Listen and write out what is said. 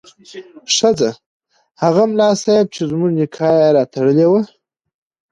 ښځه: هغه ملا صیب چې زموږ نکاح یې راتړلې وه